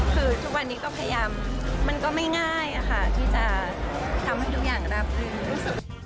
คือทุกวันนี้ก็พยายามมันก็ไม่ง่ายที่จะทำให้ทุกอย่างราบรื่นรู้สึก